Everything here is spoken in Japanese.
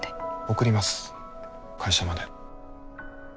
送ります会社まで。